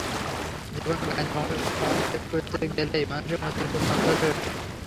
যেকোনো গাণিতিক সমস্যার সমাধান বের করতে গেলেই মানুষের মস্তিষ্ক চঞ্চল হয়ে ওঠে।